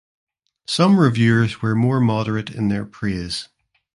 Some reviewers were more moderate in their praise.